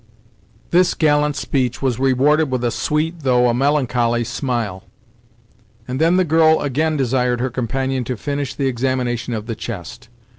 This gallant speech was rewarded with a sweet, though a melancholy smile; and then the girl again desired her companion to finish the examination of the chest.